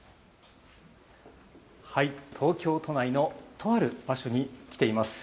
東京都内のとある場所に来ています。